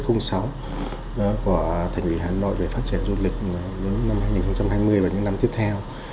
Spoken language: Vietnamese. của thành ủy hà nội về phát triển du lịch đến năm hai nghìn hai mươi và những năm tiếp theo